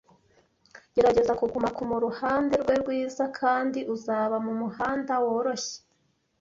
Gerageza kuguma kumuruhande rwe rwiza kandi uzaba mumuhanda woroshye.